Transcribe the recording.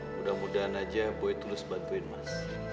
mudah mudahan aja boy tulus bantuin mas